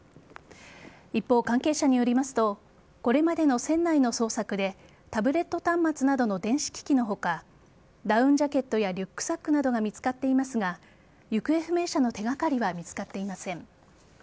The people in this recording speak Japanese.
一方、関係者によりますとこれまでの船内の捜索でタブレット端末などの電子機器の他ダウンジャケットやリュックサックなどが見つかっていますが行方不明者の手がかりは見つかっていません。